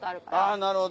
なるほど。